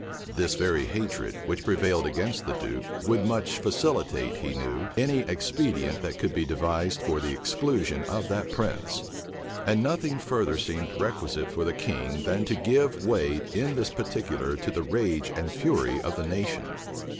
This very hatred, which prevailed against the duke, would much facilitate, he knew, any expedient that could be devised for the exclusion of that prince; and nothing further seemed requisite for the king, than to give way in this particular to the rage and fury of the nation.